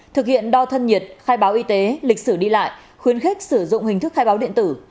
thực hiện đo thân nhiệt khai báo y tế lịch sử đi lại khuyến khích sử dụng hình thức khai báo điện tử